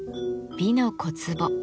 「美の小壺」